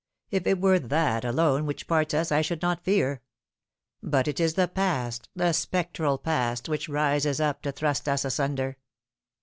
If it were that alone which parts us, I should not fear. But it is the past, the spectral past, which rises up to thrust us asunder.